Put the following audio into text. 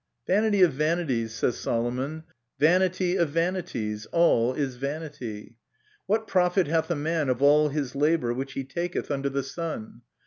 "Vanity of vanities," says Solomon, "vanity of vanities, all is vanity. What profit hath a man of all his labour which he taketh under the sun